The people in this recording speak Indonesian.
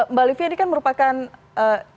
mbak livia ini kan merupakan contoh kondisi